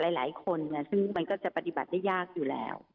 หลายคนซึ่งมันก็จะปฏิบัติได้ยากอยู่แล้ว